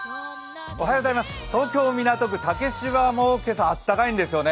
東京・港区竹芝も今朝は暖かいんですよね。